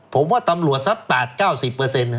ผมว่าตำรวจสัก๘๙๐